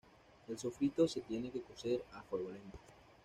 El sofrito se tiene que cocer a fuego lento.